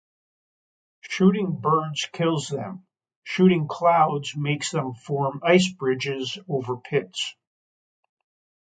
Shooting birds kills them; shooting clouds makes them form ice bridges over pits.